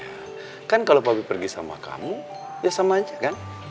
ya kan kalau pabi pergi sama kamu ya sama aja kan